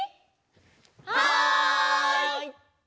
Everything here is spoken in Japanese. はい！